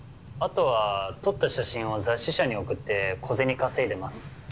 あとは撮った写真を雑誌社に送って小銭稼いでます。